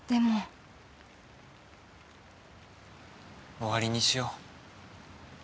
終わりにしよう。